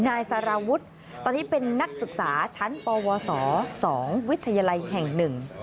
นายสารวุฒิตอนนี้เป็นนักศึกษาชั้นปวส๒วิทยาลัยแห่งหนึ่ง